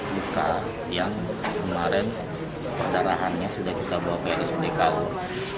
luka yang kemarin perdarahannya sudah kita bawa ke rsud kalung